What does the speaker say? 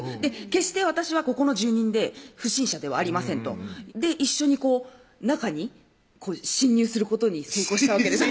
決して私はここの住人で不審者ではありません」と一緒に中に侵入することに成功したわけです